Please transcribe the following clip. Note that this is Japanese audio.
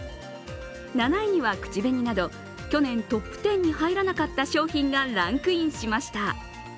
７位は口紅など、去年トップ１０に入らなかった商品がランクインしました。